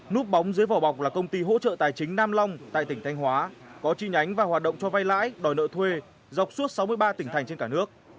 núp bóng dưới vỏ bọc là công ty hỗ trợ tài chính nam long tại tỉnh thanh hóa có chi nhánh và hoạt động cho vay lãi đòi nợ thuê dọc suốt sáu mươi ba tỉnh thành trên cả nước